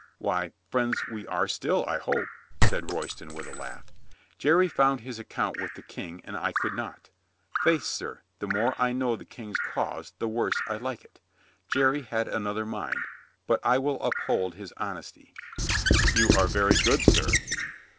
"Why, friends we are still, I hope," said Roy ston with a laugh. "Jerry found his account with the King and I could not. Faith, sir, the more I know the King's cause the worse I like it. Jerry had another mind. But I will uphold his honesty." "You are very good, sir."